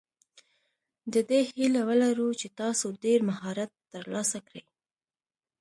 د دې هیله ولره چې تاسو ډېر مهارت ترلاسه کړئ.